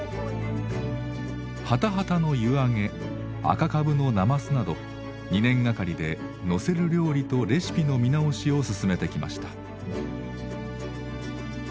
ハタハタの湯上げ赤かぶのなますなど２年がかりで載せる料理とレシピの見直しを進めてきました。